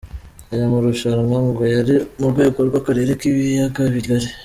Aya marushanwa ngo yari mu rwego rw’akarere k’Ibiyaga Bigari.